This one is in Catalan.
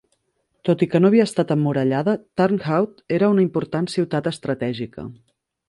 Tot i que no havia estat emmurallada, Turnhout era una important ciutat estratègica.